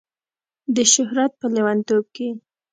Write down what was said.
د شهرت په لیونتوب کې